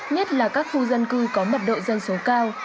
nhất là các khu dân cư có mật độ dân số cao